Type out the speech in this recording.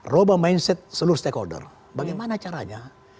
roba mindset seluruh stakeholder bagaimana caranya